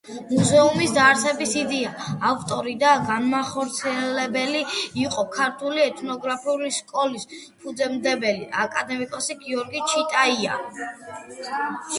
მუზეუმის დაარსების იდეის ავტორი და განმახორციელებელი იყო ქართული ეთნოგრაფიული სკოლის ფუძემდებელი, აკადემიკოსი გიორგი ჩიტაია.